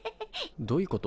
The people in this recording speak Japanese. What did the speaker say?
どういうこと？